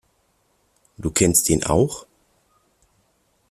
Du kennst ihn auch?